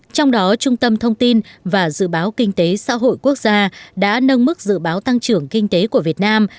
trong đó trung tâm thông tin và dự báo kinh tế xã hội quốc gia đã nâng mức dự báo tăng trưởng kinh tế của việt nam